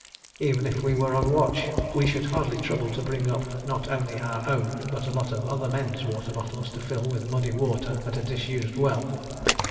Even if we were on watch, we should hardly trouble to bring up not only our own, but a lot of other men's water bottles to fill with muddy water at a disused well.